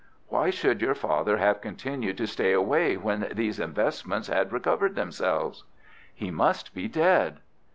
"Why should your father have continued to stay away when these investments had recovered themselves?" "He must be dead."